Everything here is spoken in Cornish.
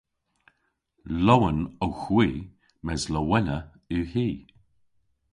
Lowen owgh hwi mes lowenna yw hi.